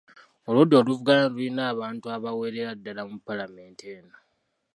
Oludda oluvuganya lulina abantu abawerera ddala mu Paalamenti eno.